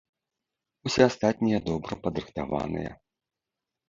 Усе астатнія добра падрыхтаваныя.